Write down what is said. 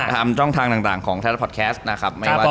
ช่องทางต่างของไทยรัฐพอดแคสต์นะครับ